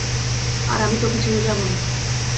আর আমি তোকে ছেড়ে যাবো না।